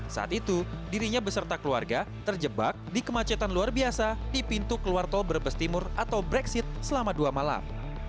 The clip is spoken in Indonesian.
saat itu dirinya beserta keluarga terjebak di kemacetan luar biasa di pintu keluar tol brebes timur atau brexit selama dua malam